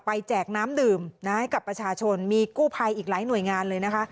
แจกน้ำดื่มให้กับประชาชนมีกู้ภัยอีกหลายหน่วยงานเลยนะคะ